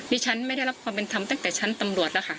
ฉันไม่ได้รับความเป็นธรรมตั้งแต่ชั้นตำรวจแล้วค่ะ